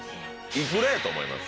幾らやと思います？